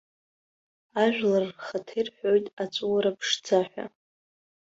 Ажәлар рхаҭа ирҳәоит аҵәыуара ԥшӡа ҳәа.